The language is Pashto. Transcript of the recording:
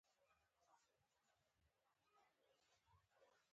هغوی په ایران کې مځکه سره تبې کړې وه.